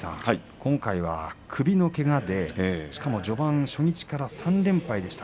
今回は首のけがでしかも序盤初日から３連敗でした。